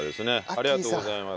ありがとうございます。